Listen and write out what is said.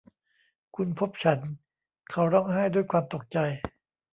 คุณพบฉัน ! เขาร้องไห้ด้วยความตกใจ